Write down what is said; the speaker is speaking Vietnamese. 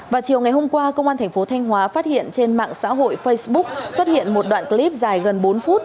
vào chiều ngày hôm qua công an thành phố thanh hóa phát hiện trên mạng xã hội facebook xuất hiện một đoạn clip dài gần bốn phút